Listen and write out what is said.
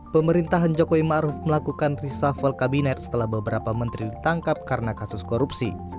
pemerintahan jokowi ⁇ maruf ⁇ melakukan reshuffle kabinet setelah beberapa menteri ditangkap karena kasus korupsi